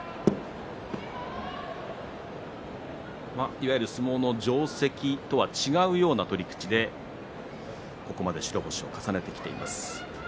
いわゆる相撲の定石とは違うような取り口で、ここまで白星を重ねてきました。